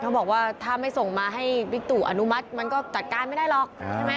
เขาบอกว่าถ้าไม่ส่งมาให้บิ๊กตู่อนุมัติมันก็จัดการไม่ได้หรอกใช่ไหม